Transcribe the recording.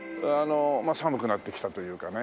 寒くなってきたというかね